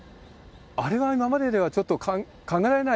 あれは今までではちょっと考えられない